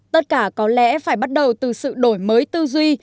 tất cả có lẽ phải bắt đầu từ sự đổi mới tư duy